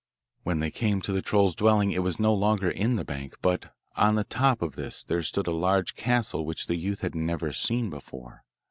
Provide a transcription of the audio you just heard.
When they came to the troll's dwelling it was no longer in the bank, but on the top of this there stood a large castle which the youth had never seen before.